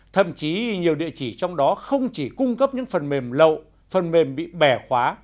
thậm chí nhiều địa chỉ trong đó không chỉ cung cấp những phần mềm lậu phần mềm bị bẻ khóa